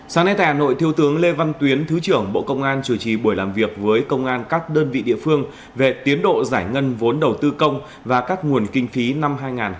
sáng nay tại hà nội thiếu tướng lê văn tuyến thứ trưởng bộ công an chủ trì buổi làm việc với công an các đơn vị địa phương về tiến độ giải ngân vốn đầu tư công và các nguồn kinh phí năm hai nghìn hai mươi ba